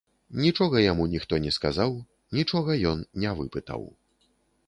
Нічога яму ніхто не сказаў, нічога ён не выпытаў.